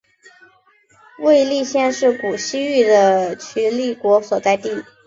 尉犁县是古西域的渠犁国所在地。